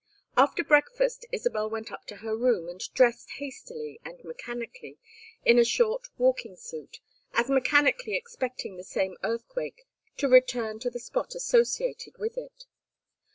After breakfast Isabel went up to her room and dressed hastily and mechanically in a short walking suit, as mechanically expecting the same earthquake to return to the spot associated with it.